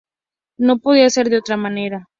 No podía ser de otra manera.